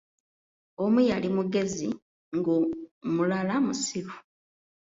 Omu yali mugezi, ng'omulala musiru.